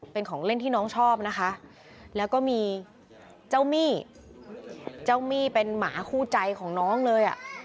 เป็นของเล่นที่น้องชอบนะคะแล้วก็มีเจ้ามี่เจ้ามี่เป็นหมาคู่ใจของน้องเลยอ่ะ